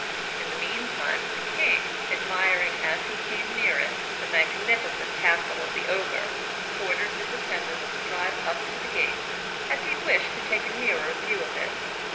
In the meantime the king, admiring as he came near it, the magnificent castle of the Ogre, ordered his attendants to drive up to the gates, as he wished to take a nearer view of it.